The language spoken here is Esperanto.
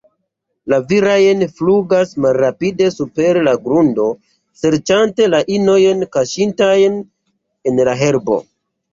La viraj flugas malrapide super la grundo, serĉante la inojn kaŝitajn en la herbo.